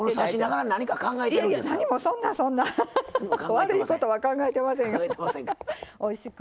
悪いことは考えてませんよはははっ。